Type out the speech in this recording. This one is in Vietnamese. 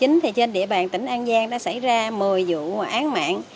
trong năm hai nghìn một mươi chín thì trên địa bàn tỉnh an giang đã xảy ra một mươi vụ án mạng